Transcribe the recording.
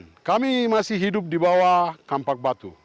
masyarakat ini masih hidup di bawah kampak batu